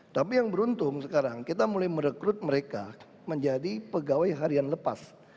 tapi yang beruntung sekarang kita mulai merekrut mereka menjadi pegawai harian lepas